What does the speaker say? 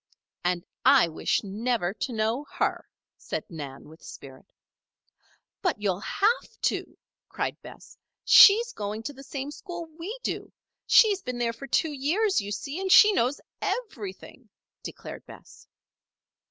"And I wish never to know her," said Nan, with spirit. "But you'll have to," cried Bess. "She's going to the same school we do. She's been there for two years, you see, and she knows everything," declared Bess.